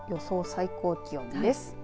最高気温です。